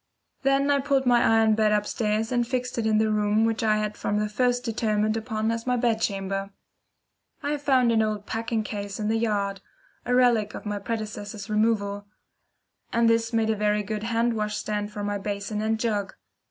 Then I pulled my iron bed upstairs and fixed it in the room which I had from the first determined upon as my bedchamber. I found an old packing case in the yard a relic of my predecessor's removal and this made a very good wash hand stand for my basin and jug.